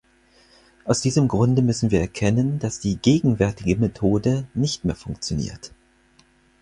Aus diesem Grunde müssen wir erkennen, dass die gegenwärtige Methode nicht mehr funktioniert.